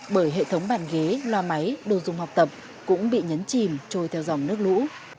bởi hệ thống bàn ghế loa máy đồ dùng học tập cũng bị nhấn chìm trôi theo dòng nước lũ